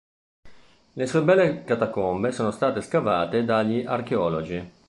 Le sue belle catacombe sono state scavate dagli archeologi.